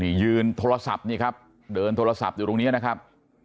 นี่ยืนโทรศัพท์นี่ครับเดินโทรศัพท์อยู่ตรงนี้นะครับ